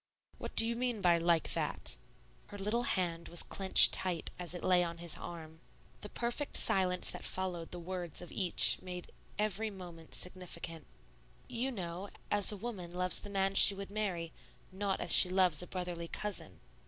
"What do you mean by 'like that'?" Her little hand was clinched tight as it lay on his arm. The perfect silence that followed the words of each made every movement significant. "You know, as a woman loves the man she would marry, not as she loves a brotherly cousin."